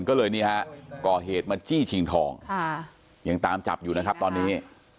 ก็เลยนี่ฮะก่อเหตุมาจี้ชิงทองยังตามจับอยู่นะครับตอนนี้